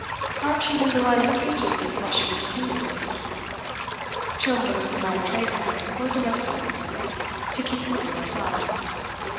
Perhaps she drew the line of speech at the expression of opinions. Schomberg might have trained her, for domestic reasons, to keep them to herself.